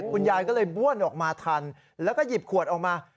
คุณยายก็เลยบ้วนออกมาทันแล้วก็หยิบขวดออกมา